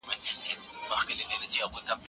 جملې کاپي او هلته یې پیسټ کړئ.